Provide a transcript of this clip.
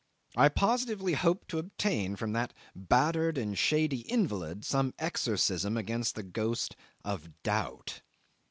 I positively hoped to obtain from that battered and shady invalid some exorcism against the ghost of doubt.